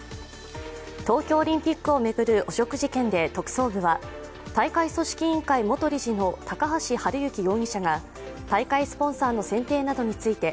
東京オリンピックを巡る汚職事件で特捜部は大会組織委員会元理事の高橋治之容疑者が大会スポンサーの選定などについて、